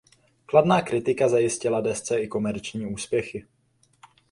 Kladná kritika zajistila desce i komerční úspěchy.